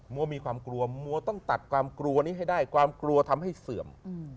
โมมีความกลัวโมต้องตัดกลัวกลัวให้ได้กลัวทำให้เสื่อม